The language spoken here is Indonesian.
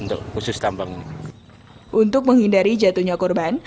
untuk menghindari jatuhnya korban